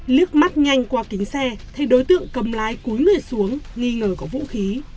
lước mắt nhanh qua kính xe thấy đối tượng cầm lái cúi người xuống nghi ngờ có vũ khí